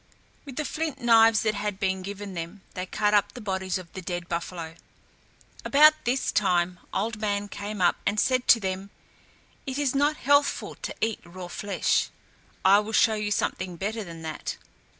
With the flint knives that had been given them they cut up the bodies of the dead buffalo. About this time Old Man came up and said to them, "It is not healthful to eat raw flesh. I will show you something better than that."